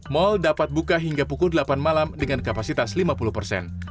mall dapat buka hingga pukul delapan malam dengan kapasitas lima puluh persen